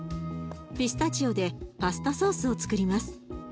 ピスタチオでパスタソースをつくります。